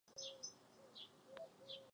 Častým jevem je v zimě polární záře.